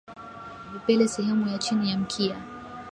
Vipele sehemu ya chini ya mkia